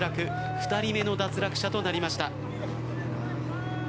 ２人目の脱落者となりました。